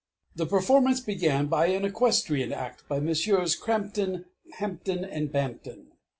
The performance began by an Equestrian Act, by Messrs. Crampton, Hampton, and Bampton.